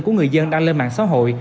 của người dân đang lên mạng xã hội